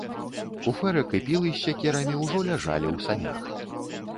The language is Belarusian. Куфэрак і пілы з сякерамі ўжо ляжалі ў санях.